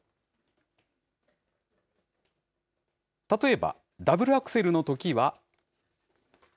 例えばダブルアクセルのときは。